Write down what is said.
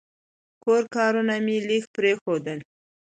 کور کارونه مې لږ پرېښودل.